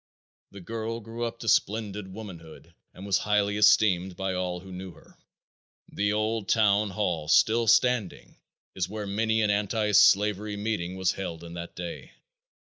The girl grew up to splendid womanhood and was highly esteemed by all who knew her. The old town hall, still standing, is where many an anti slavery meeting was held in that day.